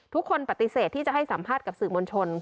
ทุกคนปฏิเสธที่จะให้สัมภาษณ์กับสื่อมวลชน